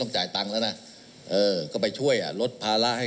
นายสมศักดิ์